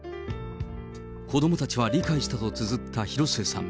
子どもたちは理解したとつづった広末さん。